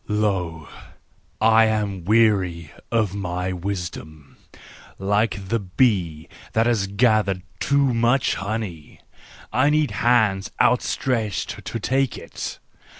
Lo ! I am weary of my wisdom, like the bee that hath gathered too much honey; I need hands out¬ stretched to take it.